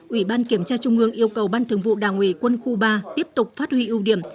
ủy ban kiểm tra trung ương yêu cầu ban thường vụ đảng ủy quân khu ba tiếp tục phát huy ưu điểm